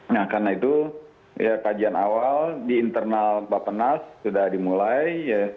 nah karena itu kajian awal di internal bapak nas sudah dimulai